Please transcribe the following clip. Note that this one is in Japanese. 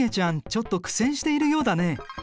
ちょっと苦戦しているようだね。